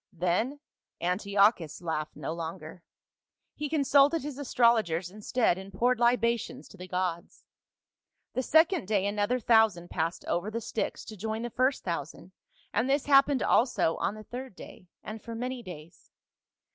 Then Antiochus laughed no longer ; he con sulted his astrologers instead, and poured libations to the gods. The second day another thousand passed over the Styx to join the first thousand, and this hap A BOATMAN OF ANTIOCH. 229 pened also on the third day, and for many days.